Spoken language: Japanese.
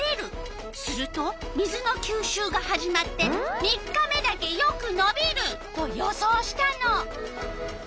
すると水のきゅうしゅうが始まって３日目だけよくのびると予想したの。